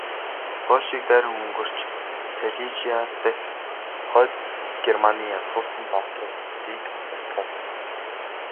Польшийг дайран өнгөрч, Сайлижиа дахь Хойд Германы язгууртан баатруудыг устгав.